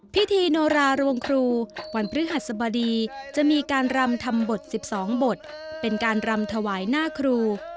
โนรารวงครูวันพฤหัสบดีจะมีการรำทำบท๑๒บทเป็นการรำถวายหน้าครู